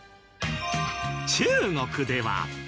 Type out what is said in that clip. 中国では。